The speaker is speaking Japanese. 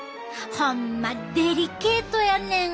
ホンマデリケートやねん！